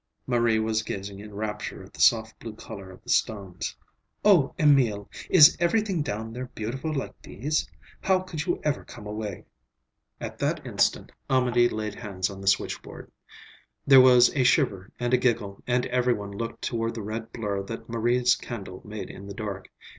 Marie was gazing in rapture at the soft blue color of the stones. "Oh, Emil! Is everything down there beautiful like these? How could you ever come away?" At that instant Amédée laid hands on the switchboard. There was a shiver and a giggle, and every one looked toward the red blur that Marie's candle made in the dark.